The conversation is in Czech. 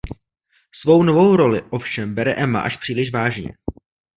Svou novou roli ovšem bere Emma až příliš vážně.